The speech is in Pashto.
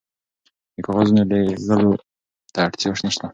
د کاغذونو لیږلو ته اړتیا نشته.